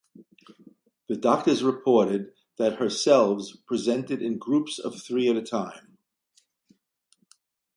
The doctors reported that her selves presented in groups of three at a time.